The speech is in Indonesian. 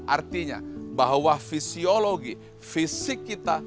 artinya bahwa fisiologi fisik kita